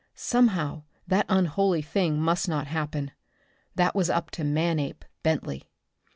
Somehow that unholy thing must not happen. That was up to Manape Bentley.